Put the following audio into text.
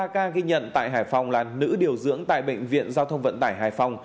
ba ca ghi nhận tại hải phòng là nữ điều dưỡng tại bệnh viện giao thông vận tải hải phòng